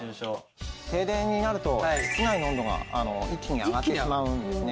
停電になると室内の温度が一気に上がってしまうんですね